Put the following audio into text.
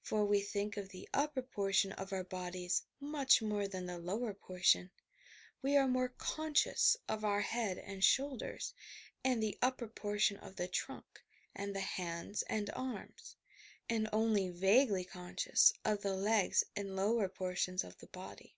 For we think of the upper portion of our bodies much more than the lower portion ; we are more conscious of our head and shoulders, and the upper portion of the trunk and the hands and arms, and only vaguely conscious of the legs and lower portions of the body.